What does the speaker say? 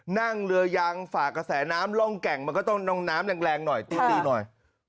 นั่งเรือยางฝากกระแสน้ำร่องแก่งมันก็ต้องน้ำแรงหน่อยตีหน่อย